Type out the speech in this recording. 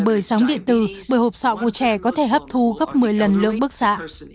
bởi từ bởi hộp sọ của trẻ có thể hấp thu gấp một mươi lần lưỡng bức xạ